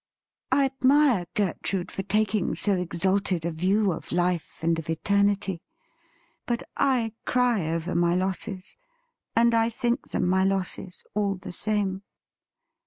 I admire Gertrude for taking so exalted a view of life and of eternity ; but I cry over my losses, and I think them my losses, all the same.'